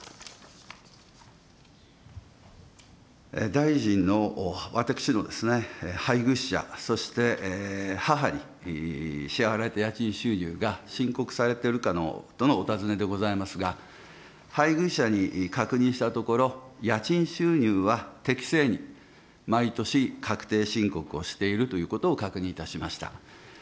大臣の、私の配偶者、そして母に支払われた家賃収入が申告されてるかとのお尋ねでございますが、配偶者に確認したところ、家賃収入は適正に、毎年確定申告をしているということを確認いたしました。